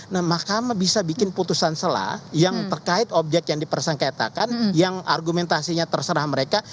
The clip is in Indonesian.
nah mahkamah bisa bikin putusan selah yang terkait objek yang dipersengketakan yang argumentasinya terserah mereka